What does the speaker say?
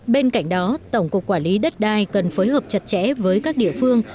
bên cạnh đó tổng cục quản lý đất đai cần phối hợp chặt chẽ với các địa phương